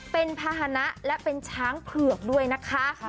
เป็นภาษณะและเป็นช้างเผือกด้วยนะคะ